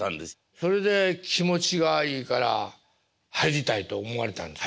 それで気持ちがいいから入りたいと思われたんですか。